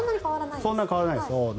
そんなに変わらないです。